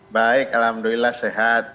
baik alhamdulillah sehat